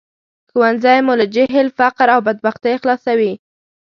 ښوونځی مو له جهل، فقر او بدبختۍ خلاصوي